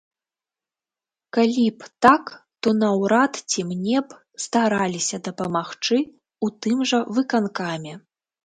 Калі б так, то наўрад ці мне б стараліся дапамагчы ў тым жа выканкаме.